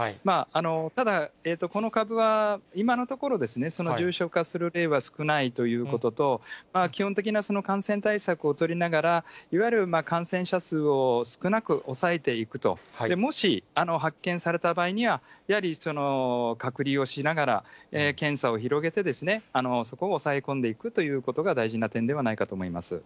ただ、この株は今のところ、重症化する例は少ないということと、基本的な感染対策を取りながら、いわゆる感染者数を少なく抑えていくと、もし発見された場合には、やはり隔離をしながら、検査を広げて、そこを抑え込んでいくということが大事な点ではないかと思います。